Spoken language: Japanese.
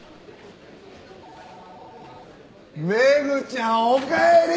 メグちゃんおかえり！